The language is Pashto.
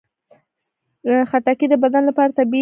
خټکی د بدن لپاره طبیعي سري دي.